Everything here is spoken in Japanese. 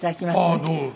ああどうも。